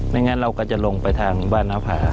งั้นเราก็จะลงไปทางบ้านน้าผา